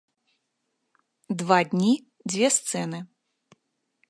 Два дні, дзве сцэны.